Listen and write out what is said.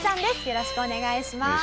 よろしくお願いします。